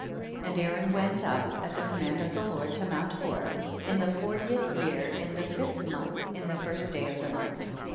31. And Aaron went up, at the command of the Lord, to mount Hor, in the fortieth year, in the fifth month, in the first day of the month.